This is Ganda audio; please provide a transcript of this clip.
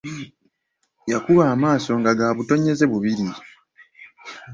Yakuba amaaso nga gabutonyeze bubiri.